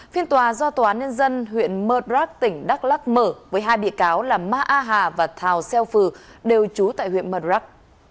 phiên tòa do tòa ninh dân huyện murdrock tỉnh đắk lắc mở với hai bịa cáo là ma a hà và thào xeo phừ đều trú tại huyện murdrock